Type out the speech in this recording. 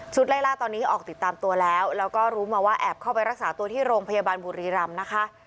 ไล่ล่าตอนนี้ออกติดตามตัวแล้วแล้วก็รู้มาว่าแอบเข้าไปรักษาตัวที่โรงพยาบาลบุรีรำนะคะ